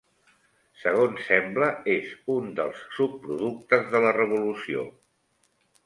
Segons sembla, és un dels subproductes de la revolució.